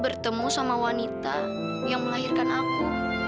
bertemu sama dia bertemu sama wanita yang melahirkan aku